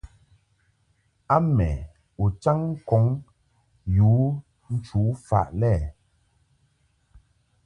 A mɛ u chaŋ ŋkɔŋ yu nchu faʼ lɛ.